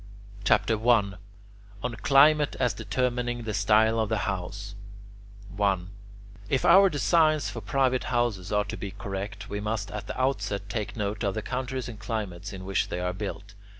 CHAPTER I ON CLIMATE AS DETERMINING THE STYLE OF THE HOUSE 1. If our designs for private houses are to be correct, we must at the outset take note of the countries and climates in which they are built.